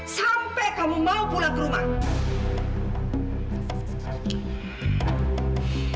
sampai kamu mau pulang ke rumah